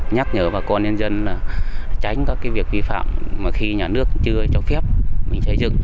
nhắc nhở bà con nhân dân là tránh các việc vi phạm mà khi nhà nước chưa cho phép mình xây dựng